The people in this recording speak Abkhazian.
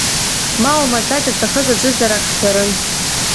Ма оумаӡак зҭахыз аӡәызар ак ҳҳәарын…